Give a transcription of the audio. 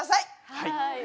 はい。